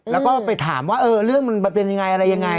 แล้วก็ไปถามว่าเรื่องมันเป็นยังไงอะไรยังไง